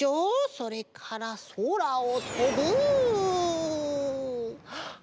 それからそらをとぶあっ！